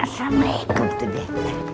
assalamualaikum itu dia